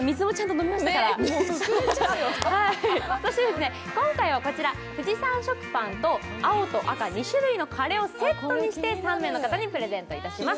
そして、今回はＦＵＪＩＳＡＮＳＨＯＫＵＰＡＮと青と赤、２種類のカレーをセットにして３名の方にプレゼントいたします。